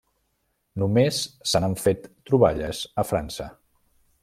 Només se n'han fet troballes a França.